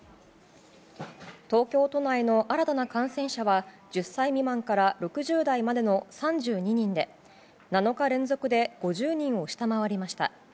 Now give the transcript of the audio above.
東京都内の新たな感染者は１０歳未満から６０代までの３２人で７日連続で５０人を下回りました。